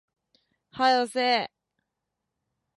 早よせえ